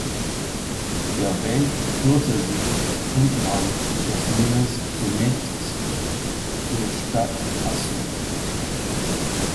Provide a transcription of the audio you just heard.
Der Weg führte sie entlang des Nils zunächst zur Stadt Asyut.